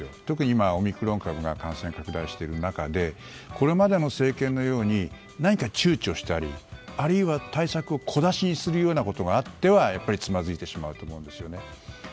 特に今、オミクロン株が感染拡大している中でこれまでの政権のように何か躊躇したりあるいは対策を小出しにするようなことがあってはつまずいてしまうと思うんですね。